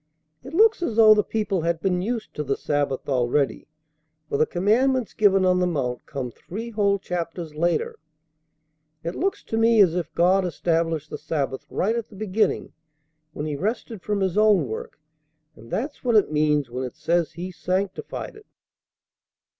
It looks as though the people had been used to the Sabbath already, for the commandments given on the mount come three whole chapters later. It looks to me as if God established the Sabbath right at the beginning when He rested from His own work, and that's what it means when it says He sanctified it."